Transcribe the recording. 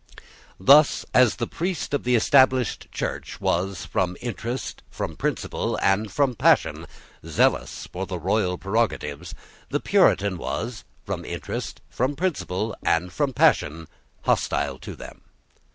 Thus, as the priest of the Established Church was, from interest, from principle, and from passion, zealous for the royal prerogatives, the Puritan was, from interest, from principle, and from passion, hostile to them.